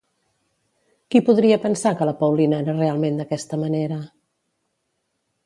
Qui podria pensar que la Paulina era realment d'aquesta manera?